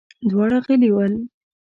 دواړه غلي ول.